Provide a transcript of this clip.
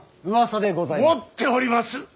うわさでございます。